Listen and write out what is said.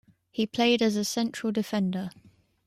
He played as a central defender.